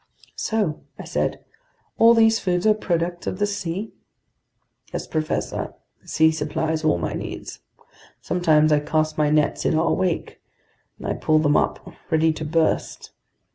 "So," I said, "all these foods are products of the sea?" "Yes, professor, the sea supplies all my needs. Sometimes I cast my nets in our wake, and I pull them up ready to burst.